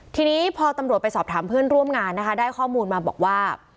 ทีนี้พอตำรวจไปสอบถามเพื่อนร่วมงานนะคะได้ข้อมูลมาบอกว่า